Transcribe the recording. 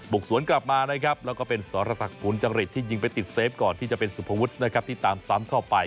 กสวนกลับมานะครับแล้วก็เป็นสรษักภูมิจริตที่ยิงไปติดเซฟก่อนที่จะเป็นสุภวุฒินะครับที่ตามซ้ำเข้าไป